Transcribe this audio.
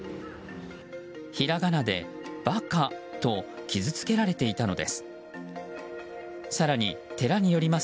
ひらがなで「ばか」と傷つけられていたのです。